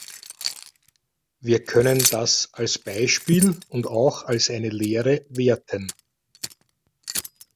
Wir können das als Beispiel und auch als eine Lehre werten.